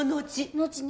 後に？